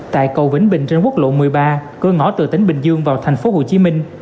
tại cầu vĩnh bình trên quốc lộ một mươi ba cơ ngõ từ tỉnh bình dương vào thành phố hồ chí minh